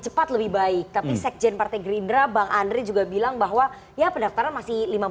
cepat lebih baik tapi sekjen partai gerindra bang andre juga bilang bahwa ya pendaftaran masih